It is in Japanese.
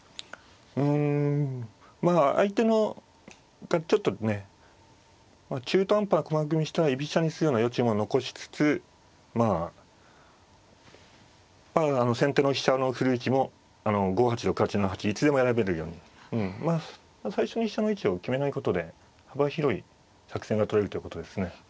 うんまあ相手がちょっとね中途半端な駒組みにしたら居飛車にするような余地も残しつつまあ先手の飛車の振る位置も５八６八７八いつでも選べるようにうんまあ最初に飛車の位置を決めないことで幅広い作戦がとれるってことですね。